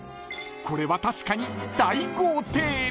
［これは確かに大豪邸］